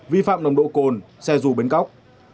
vi phạm nồng độ cồn xe rù bến cóc